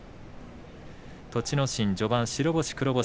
栃ノ心、序盤白星、黒星